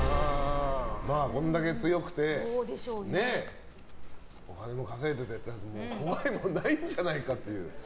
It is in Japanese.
これだけ強くてお金も稼いでいて怖いものないんじゃないかという。